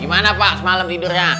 gimana pak semalam tidurnya